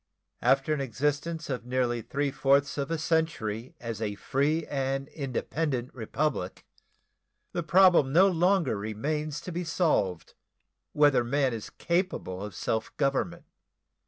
After an existence of near three fourths of a century as a free and independent Republic, the problem no longer remains to be solved whether man is capable of self government.